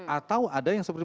atau ada yang seperti